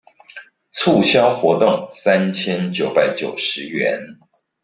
促銷活動三千九百九十元